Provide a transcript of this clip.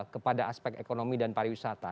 kepada aspek ekonomi dan pariwisata